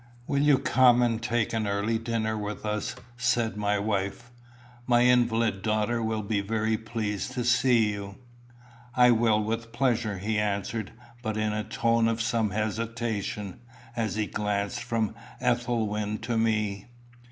"Will you come and take an early dinner with us?" said my wife. "My invalid daughter will be very pleased to see you." "I will with pleasure," he answered, but in a tone of some hesitation, as he glanced from Ethelwyn to me.